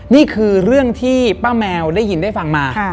นี่คือเรื่องที่ป้าแมวได้ยินได้ฟังมา